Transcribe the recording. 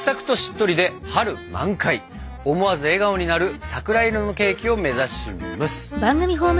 思わず笑顔になる桜色のケーキを目指します！